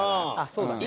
そうだね。